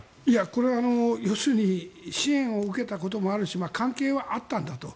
これは要するに支援を受けたこともあるし関係はあったんだと。